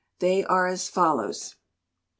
They are as follows: i.